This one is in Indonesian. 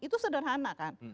itu sederhana kan